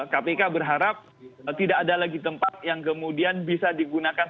kpk berharap tidak ada lagi tempat yang kemudian bisa digunakan